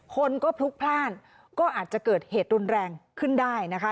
คนก็พลุกพลาดก็อาจจะเกิดเหตุรุนแรงขึ้นได้นะคะ